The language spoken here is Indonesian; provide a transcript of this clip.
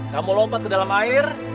kamu lompat ke dalam air